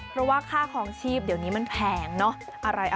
เพราะว่าค่าคลองชีพเดี๋ยวนี้มันแพงเนอะ